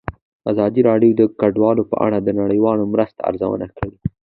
ازادي راډیو د کډوال په اړه د نړیوالو مرستو ارزونه کړې.